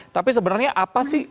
tapi sebenarnya apa sih